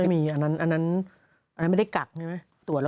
ไม่มีอันนั้นไม่ได้กักใช่ไหม